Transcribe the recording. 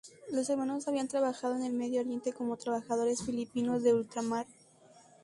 Los hermanos habían trabajado en el Medio Oriente como Trabajadores Filipinos de Ultramar.